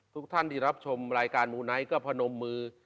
ทุกท่านที่รับชมรายการมูไนท์ก็พนมมือ